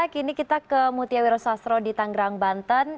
kini kita ke mutia wiro sasro di tanggrang banten